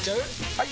・はい！